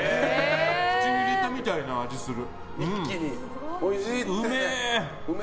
口に入れたみたいな味がする。